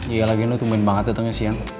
iya lagi lo tuh main banget datangnya siang